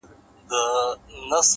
هره پوښتنه د پرمختګ دروازه ده’